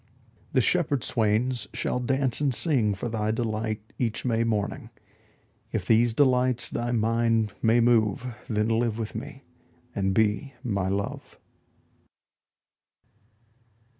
20 The shepherd swains shall dance and sing For thy delight each May morning: If these delights thy mind may move, Then live with me and be my Love.